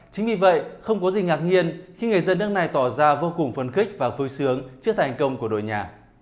chính vì vậy không có gì ngạc nhiên khi người dân nước này tỏ ra vô cùng phân khích và vui sướng trước thành công của đội nhà